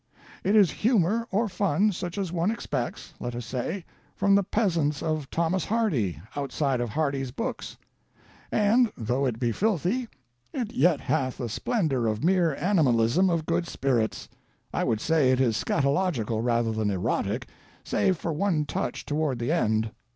It is humor or fun such as one expects, let us say, from the peasants of Thomas Hardy, outside of Hardy's books. And, though it be filthy, it yet hath a splendor of mere animalism of good spirits... I would say it is scatalogical rather than erotic, save for one touch toward the end.